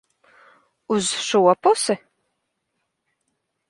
Uz šo pusi?